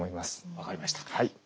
分かりました。